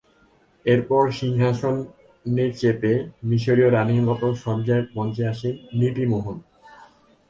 এরপর সিংহাসনে চেপে মিশরীয় রাণীর মতো সজ্জায় মঞ্চে আসেন নীতি মোহন।